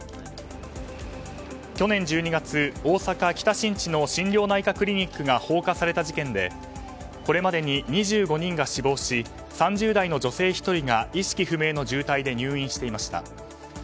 去年１２月、大阪・北新地の心療内科クリニックが放火された事件でこれまでに２５人が死亡し３０代の女性１人が意識不明の重体で入院していました。